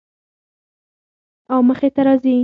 او مخې ته راځي